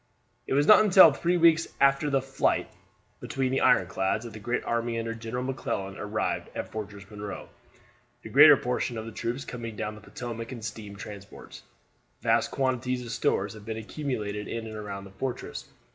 It was not until three weeks after the fight between the ironclads that the great army under General McClellan arrived off Fortress Monroe, the greater portion of the troops coming down the Potomac in steam transports. Vast quantities of stores had been accumulated in and around the fortress.